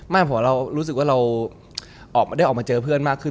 หัวเรารู้สึกว่าเราได้ออกมาเจอเพื่อนมากขึ้น